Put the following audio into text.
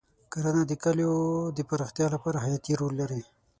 کرنه د کلیو د پراختیا لپاره حیاتي رول لري.